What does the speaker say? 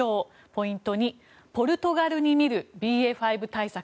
ポイント２ポルトガルに見るＢＡ．５対策。